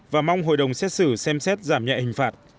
và mong hội đồng xét xử xem xét giảm nhẹ hình phạt